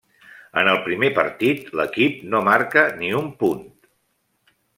En el primer partit, l'equip no marca ni un punt.